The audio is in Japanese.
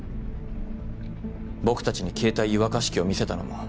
僕たちに携帯湯沸かし器を見せたのも。